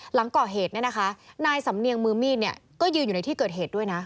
หลังก่อเหตุเนี่ยนะคะนายสำเนียงมือมีดเนี่ยก็ยืนอยู่ในที่เกิดเหตุด้วยนะ